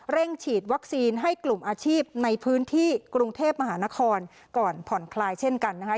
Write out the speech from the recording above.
ฉีดวัคซีนให้กลุ่มอาชีพในพื้นที่กรุงเทพมหานครก่อนผ่อนคลายเช่นกันนะคะ